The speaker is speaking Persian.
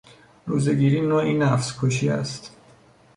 روزهگیری نوعی نفس کشی است.